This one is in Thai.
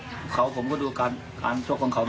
เตรียมป้องกันแชมป์ที่ไทยรัฐไฟล์นี้โดยเฉพาะ